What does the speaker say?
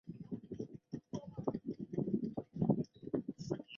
中华卫矛是卫矛科卫矛属的植物。